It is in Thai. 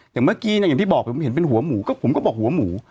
อย่างเมื่อกี้เนี่ยอย่างที่บอกผมเห็นเป็นหัวหมูก็ผมก็บอกหัวหมู